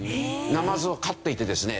ナマズを飼っていてですね